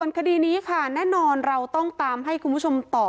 คดีนี้ค่ะแน่นอนเราต้องตามให้คุณผู้ชมต่อ